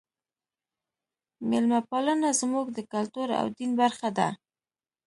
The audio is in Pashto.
میلمه پالنه زموږ د کلتور او دین برخه ده.